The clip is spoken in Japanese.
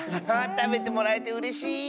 たべてもらえてうれしい。